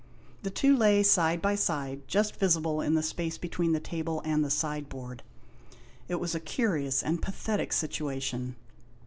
The two lay, side by side, just visible in the space between the table and the sideboard. It was a curious and pathetic situation.